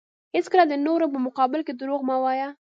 هیڅکله د نورو په مقابل کې دروغ مه وایه.